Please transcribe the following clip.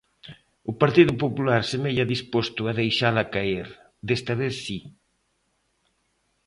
O Partido Popular semella disposto a deixala caer, desta vez si.